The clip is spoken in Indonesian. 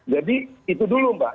jadi itu dulu mbak